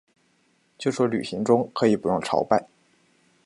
就说旅行中可以不用朝拜